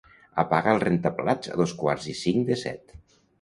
Apaga el rentaplats a dos quarts i cinc de set.